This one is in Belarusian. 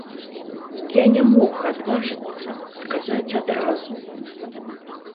Я не мог адважыцца, сказаць адразу.